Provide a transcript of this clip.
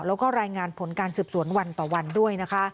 และรายงานผลการศึกษวนต่อวันด้วย